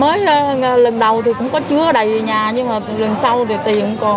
mới lần đầu thì cũng có chứa đầy nhà nhưng mà lần sau thì tiền cũng còn